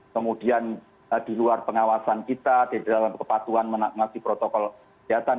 kemudian di luar pengawasan kita di dalam kepatuan mengatasi protokol kejahatan